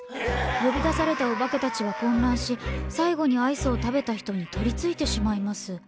呼び出されたおばけたちは混乱し最後にアイスを食べた人に取りついてしまいます。